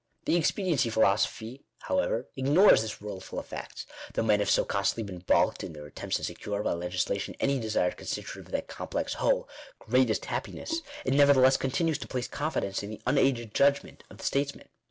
The expediency philosophy, however, ignores this world full of facts. Though men have so constantly been balked in their attempts to secure, by legislation, any desired constituent of that complex whole, " greatest happiness," it nevertheless continues to place confidence in the unaided judgment of the statesman.